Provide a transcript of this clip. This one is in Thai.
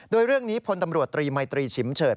โดยเรื่องนี้พลตำรวจตรีมัยตรีฉิมเฉิด